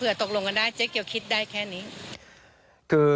ตกลงกันได้เจ๊เกียวคิดได้แค่นี้